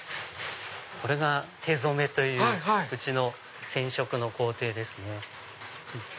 これが手染めといううちの染色の工程ですね。